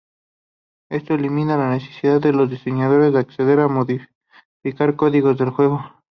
Esto elimina la necesidad de los diseñadores de acceder o modificar código del juego.